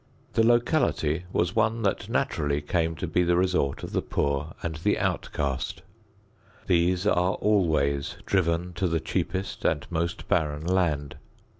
The locality was one that naturally came to be the resort of the poor and the outcast; these are always driven to the cheapest and most barren land.